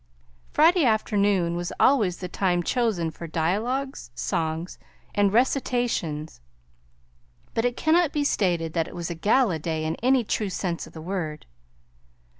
Friday afternoon was always the time chosen for dialogues, songs, and recitations, but it cannot be stated that it was a gala day in any true sense of the word.